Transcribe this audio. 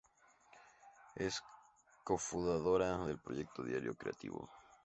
Es co-fundadora del proyecto Diario Creativo.